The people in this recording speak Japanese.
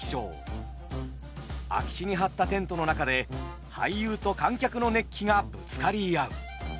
空き地に張ったテントの中で俳優と観客の熱気がぶつかり合う。